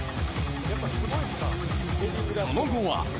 その後は。